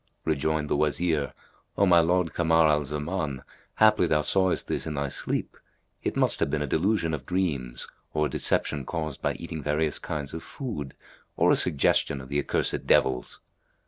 Rejoined the Wazir, "O my lord Kamar al Zaman, haply thou sawest this in thy sleep; it must have been a delusion of dreams or a deception caused by eating various kinds of food, or a suggestion of the accursed devils."